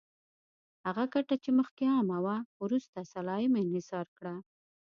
هغه ګټه چې مخکې عامه وه، وروسته سلایم انحصار کړه.